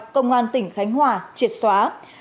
công an tỉnh khánh hòa triệt xóa